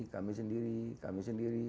kami sendiri kami sendiri